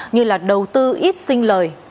như là đầu tư ít xinh lời